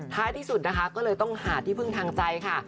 ท้ายที่สุดนะคะก็เลยต้องหาที่พึ่งทางใจค่ะ